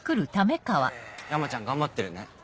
山ちゃん頑張ってるね。